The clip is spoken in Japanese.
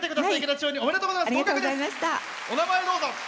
お名前、どうぞ。